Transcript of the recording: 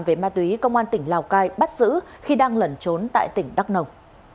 về ma túy công an tỉnh lào cai bắt giữ khi đang lẩn trốn tại tỉnh đắk nông